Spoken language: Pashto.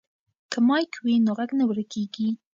که مایک وي نو غږ نه ورکیږي.